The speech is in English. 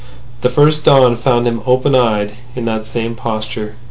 The first dawn found him open eyed, in that same posture.